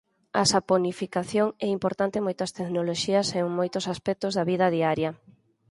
A saponificación é importante en moitas tecnoloxías e en moitos aspectos da vida diaria.